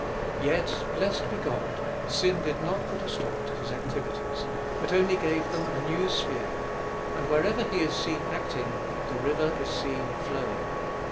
Yet, blessed be God, sin did not put a stop to his activities, but only gave them a new sphere; and wherever he is seen acting, the river is seen flowing.